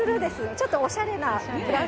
ちょっとおしゃれな。